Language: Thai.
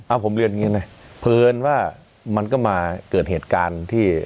เอาผมเรียนอย่างนี้นะเพลินว่ามันก็มาเกิดเหตุการณ์ที่